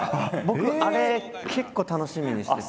僕あれ結構楽しみにしてて。